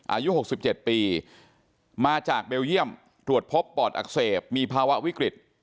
อายุ๖๗ปีมาจากเบลเยี่ยมตรวจพบปอดอักเสบมีภาวะวิกฤต